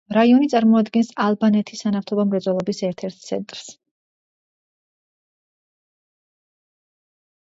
რაიონი წარმოადგენს ალბანეთი სანავთობო მრეწველობის ერთ-ერთ ცენტრს.